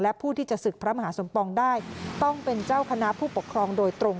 และผู้ที่จะศึกพระมหาสมปองได้ต้องเป็นเจ้าคณะผู้ปกครองโดยตรง